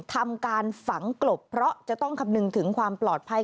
ทำการฝังกลบเพราะจะต้องคำนึงถึงความปลอดภัย